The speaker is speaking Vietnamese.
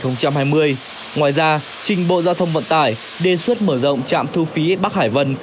ngoài ra trình bộ giao thông vận tải đề xuất mở rộng trạm thu phí bắc hải vân